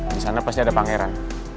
di sana pasti ada pangeran